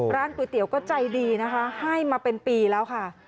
ร้านก๋วยเตี๋ยวก็ใจดีนะคะให้มาเป็นปีแล้วค่ะ